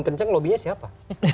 kencang lobi nya siapa